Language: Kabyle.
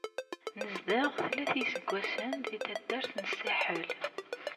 Nezdeɣ tlata iseggasen di taddart n Saḥel.